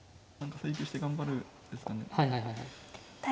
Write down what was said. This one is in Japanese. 請求して頑張るんですかね。